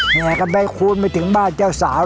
แห่คำนาจไม่คุ้นไปถึงบ้านเจ้าสาว